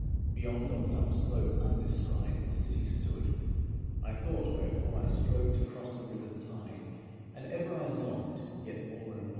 Beyond, on some slope undescried The City stood, I thought, wherefore I strove to cross the river's tide, And ever I longed, yet more and more.